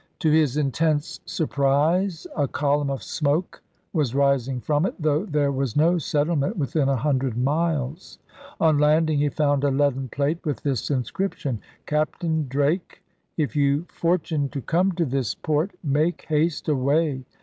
To his intense surprise a column of smoke was rising from it, though there was no settlement within a hundred miles. On landing he found a leaden plate with this inscription: 'Captain Drake! If you fortune to come to this Port, make hast away!